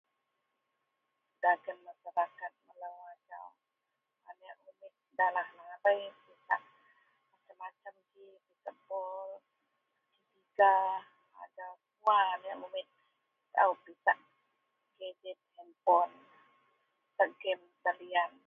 dagen masyarakat melou, ajau, aneak umik dalah lahabeilah, macam-macam ji pisak bol.. [unintelligible] ajau semua aneak umik taau pisak game-game handpon, pisak game talian